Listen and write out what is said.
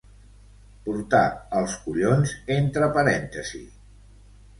Portar els collons entre parèntesis.